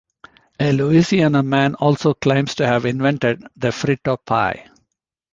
A Louisiana man also claims to have invented the frito pie.